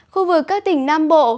khu vực các tỉnh nam bộ